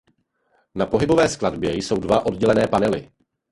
Na pohybové skladbě jsou dva oddělené panely.